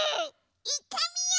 いってみよう！